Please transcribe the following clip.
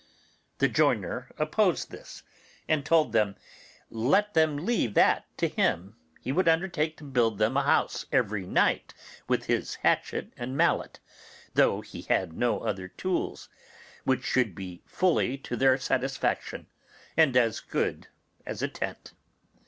The joiner opposed this, and told them, let them leave that to him; he would undertake to build them a house every night with his hatchet and mallet, though he had no other tools, which should be fully to their satisfaction, and as good as a tent.